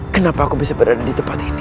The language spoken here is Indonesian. kenapa aku bisa berada di tempat ini